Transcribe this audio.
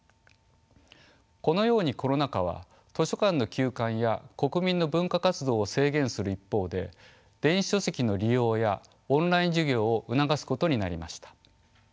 このようにコロナ禍は図書館の休館や国民の文化活動を制限する一方で電子書籍の利用やオンライン授業を促すことになりました。